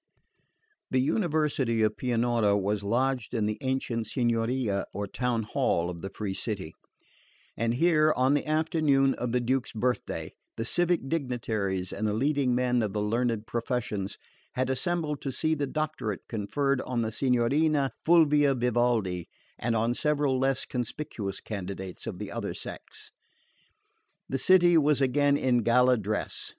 The University of Pianura was lodged in the ancient Signoria or Town Hall of the free city; and here, on the afternoon of the Duke's birthday, the civic dignitaries and the leading men of the learned professions had assembled to see the doctorate conferred on the Signorina Fulvia Vivaldi and on several less conspicuous candidates of the other sex. The city was again in gala dress.